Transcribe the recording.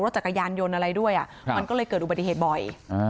จักรยานยนต์อะไรด้วยมันก็เลยเกิดอุบัติเหตุบ่อย